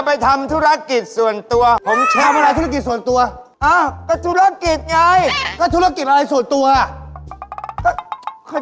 คอยทำชั่วโร่กรีดอรัอวิสได้บอกให้รู้เรื่องอ่ะเจ๊ให้ได้รู้เรื่องไม่ได้